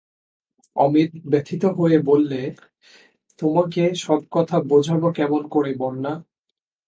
অমিত ব্যথিত হয়ে বললে, তোমাকে সব কথা বোঝাব কেমন করে বন্যা।